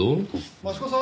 益子さん！